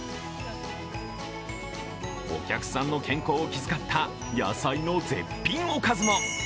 お客さんの健康を気遣った野菜の絶品おかずも。